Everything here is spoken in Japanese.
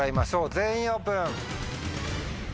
全員オープン。